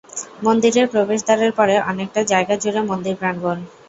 মন্দিরের প্রবেশদ্বারের পরে অনেকটা জায়গা জুড়ে মন্দিরপ্রাঙ্গণ।